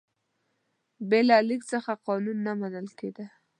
بې له لیک څخه قانون نه منل کېده.